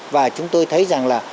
và chúng tôi thấy rằng là